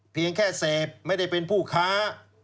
เพียงแค่เสพไม่ได้เป็นผู้ค้า